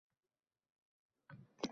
Bir oʻq meni taʼqib qilardi